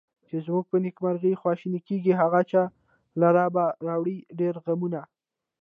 چې زمونږ په نیکمرغي خواشیني کیږي، هغه چا لره به راوړي ډېر غمونه